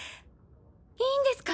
いいんですか？